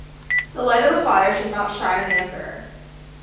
The light of the fire should not shine on the emperor.